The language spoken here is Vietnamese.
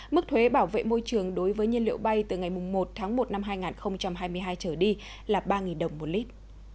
mức thuế bảo vệ môi trường đối với nhiên liệu bay từ ngày một tháng một năm hai nghìn hai mươi hai trở đi là ba đồng một lít